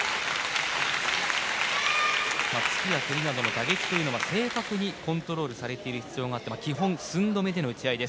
突きや蹴りなどの打撃というのは基本はコントロールされている必要があって基本は寸止めです。